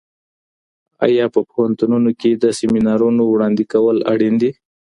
آیا په پوهنتونونو کي د سیمینارونو وړاندې کول اړین دي؟